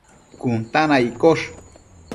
cun ta na iccosh